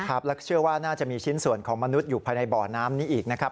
ครับแล้วก็เชื่อว่าน่าจะมีชิ้นส่วนของมนุษย์อยู่ภายในบ่อน้ำนี้อีกนะครับ